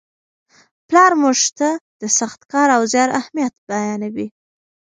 پلار موږ ته د سخت کار او زیار اهمیت بیانوي.